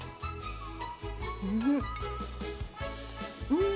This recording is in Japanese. うん。